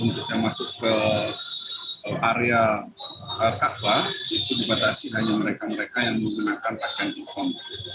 untuk jemaah haji yang masuk ke area ka'bah itu dibatasi hanya mereka mereka yang menggunakan tajam ikon